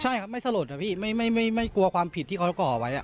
ใช่ครับไม่สลดอะพี่ไม่กลัวความผิดที่เขาก่อไว้